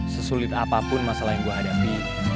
sesulit apapun masalah yang gue hadapi